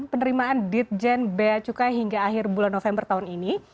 penerimaan ditjen bea cukai hingga akhir bulan november tahun ini